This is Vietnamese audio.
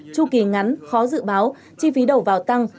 chu kỳ ngắn khó dự báo chi phí đầu vào tăng